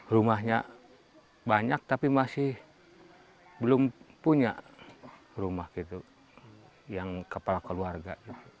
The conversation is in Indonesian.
rumahnya banyak tapi masih belum punya rumah gitu yang kepala keluarga